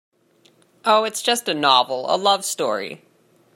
Oh, it's just a novel, a love story.